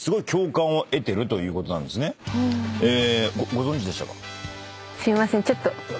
ご存じでしたか？